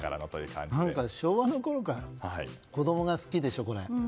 昭和のころから子供が好きでしょう、これ。